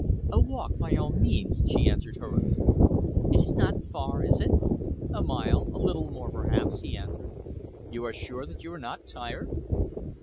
"A walk, by all means," she answered hurriedly. "It is not far, is it?" "A mile a little more perhaps," he answered. "You are sure that you are not tired?"